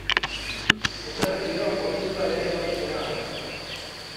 Este resfriado es por culpa del aire acondicionado.